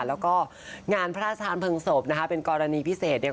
แล้วก็งานพระราชทานเพลิงศพนะคะเป็นกรณีพิเศษเนี่ย